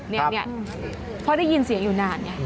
นี่เพราะได้ยินเสียงอยู่นาน